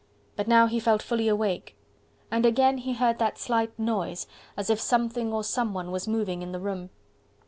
But now he felt fully awake. And again he heard that slight noise, as if something or someone was moving in the room.